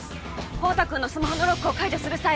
孝多君のスマホのロックを解除する際